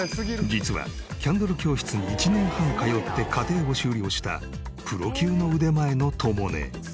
実はキャンドル教室に１年半通って課程を修了したプロ級の腕前のとも姉。